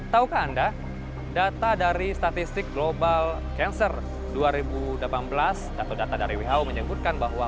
taukah anda data dari statistik global cancer dua ribu delapan belas atau data dari who menyebutkan bahwa